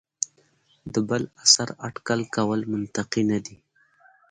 د بل عصر اټکل کول منطقي نه دي.